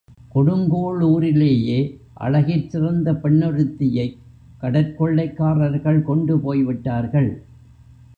கொடுங்கோளூரிலேயே அழகிற் சிறந்த பெண்ணொருத்தியைக் கடற்கொள்ளைக்காரர்கள் கொண்டுபோய்விட்டார்கள்!